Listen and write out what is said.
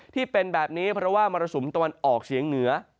ที่เป็นแบบนี้เพราะว่ามรสุมตะวันออกเฉียงเหนือ